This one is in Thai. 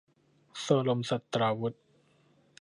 โซรมศัสตราวุธ